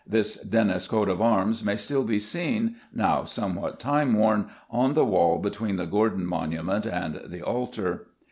This Dennis coat of arms may still be seen, now somewhat time worn, on the wall between the Gordon monument and the altar.